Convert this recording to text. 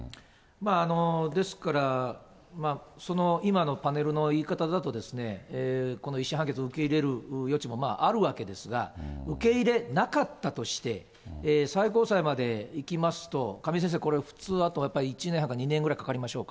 ですから、その今のパネルの言い方だと、この１審判決を受け入れるあるわけですが、受け入れなかったとして、最高裁まで行きますと、亀井先生、普通、あと１年から１年半かかりましょうか。